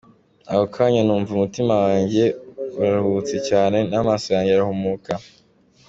Ako kanya n’umva umutima wanjye uraruhutse cyane, n’amaso yanjye arahumuka.